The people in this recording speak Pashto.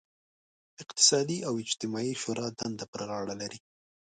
اقتصادي او اجتماعي شورا دنده پر غاړه لري.